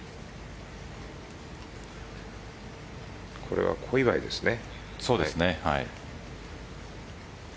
これは小祝ですね。